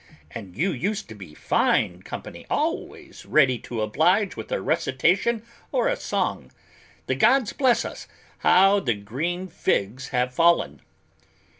And you used to be fine company, always ready to oblige with a recitation or a song. The gods bless us, how the green figs have fallen!"